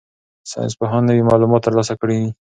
ساینسپوهان نوي معلومات ترلاسه کوي.